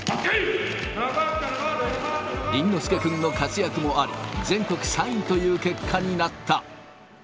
倫之亮君の活躍もあり、全国３位という結果になった。